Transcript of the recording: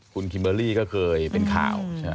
คุณคิมเบอร์รี่ก็เคยเป็นข่าว